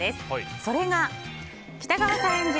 それが北川さん演じる